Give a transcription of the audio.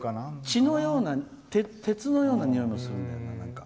血のような鉄のようなにおいもするんだよね。